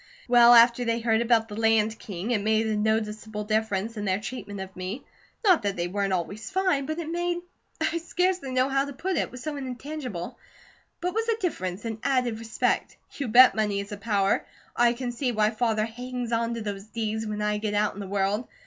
Well, after they had heard about the Land King, it made a noticeable difference in their treatment of me. Not that they weren't always fine, but it made, I scarcely know how to put it, it was so intangible but it was a difference, an added respect. You bet money is a power! I can see why Father hangs on to those deeds, when I get out in the world.